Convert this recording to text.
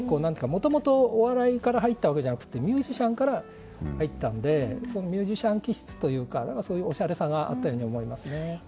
もともとお笑いから入ったわけじゃなくてミュージシャンから入ったのでミュージシャン気質というかそういうおしゃれさがあったように思えますね。